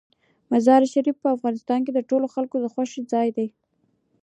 مزارشریف په افغانستان کې د ټولو خلکو د خوښې ځای دی.